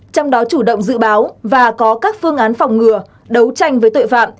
trong đó chủ động dự báo và có các phương án phòng ngừa đấu tranh với tội phạm